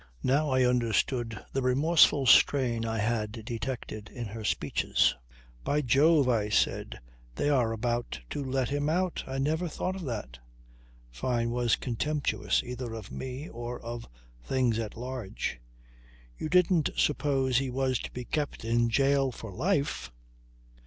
Now I understood the remorseful strain I had detected in her speeches. "By Jove!" I said. "They are about to let him out! I never thought of that." Fyne was contemptuous either of me or of things at large. "You didn't suppose he was to be kept in jail for life?"